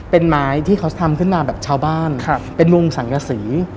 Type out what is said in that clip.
เป็นไม้ที่เขาทำขึ้นมาแบบชาวบ้านเป็นลุงสังกษี